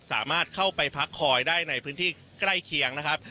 สามารถเข้าไปพักคอยได้ในพื้นที่ใกล้เคียงนะครับ